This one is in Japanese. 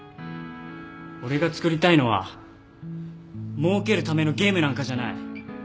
俺が作りたいのはもうけるためのゲームなんかじゃない